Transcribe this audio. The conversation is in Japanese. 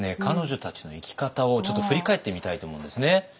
彼女たちの生き方を振り返ってみたいと思うんですね。